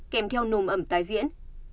kèm theo nồm ẩm tái diễn